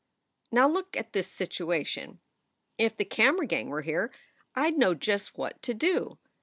Now look at this situation. If the camera gang were here I d know just whac to do.